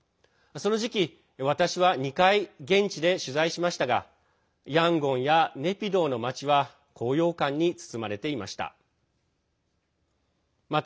その時期、私は２回現地で取材しましたがヤンゴンやネピドーの街は高揚感に包まれていました。